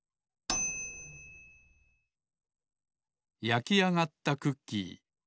やきあがったクッキー